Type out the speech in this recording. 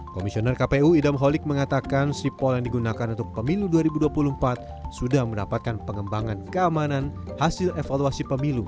komisioner kpu idam holik mengatakan sipol yang digunakan untuk pemilu dua ribu dua puluh empat sudah mendapatkan pengembangan keamanan hasil evaluasi pemilu dua ribu sembilan belas